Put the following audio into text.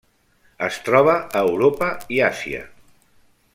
Es troba a Europa i Àsia.